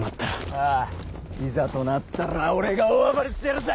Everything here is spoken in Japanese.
ああいざとなったら俺が大暴れしてやるぜ！